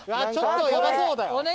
ちょっとやばそうだよ。